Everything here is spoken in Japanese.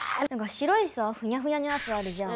白いさふにゃふにゃのやつあるじゃん。